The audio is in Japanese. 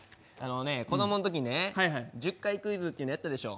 子供のときね、１０回クイズっていうのやったでしょう？